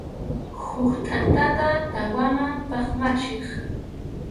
Huk tʼantata tawaman phatmanchik.